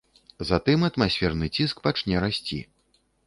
Затым атмасферны ціск пачне расці.